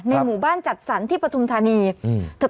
ในหมู่บ้านจัดสรรค์ที่ประทุมธนีช์อืม